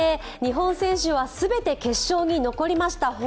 日本選手は全て決勝に残りました。